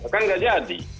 kan nggak jadi